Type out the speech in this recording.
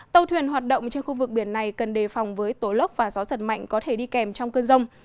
tàu thuyền hoạt động trên khu vực biển này cần đề phòng với tố lốc và gió giật mạnh có thể đi kèm trong cơn rông